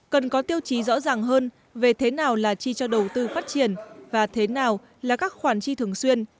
cần có tiêu chí rõ ràng hơn về thế nào là chi cho đầu tư phát triển và thế nào là các khoản chi thường xuyên